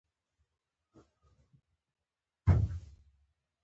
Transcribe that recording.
ولي محمد راته وويل.